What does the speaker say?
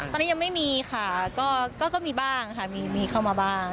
ตอนนี้ยังไม่มีค่ะก็มีบ้างค่ะมีเข้ามาบ้าง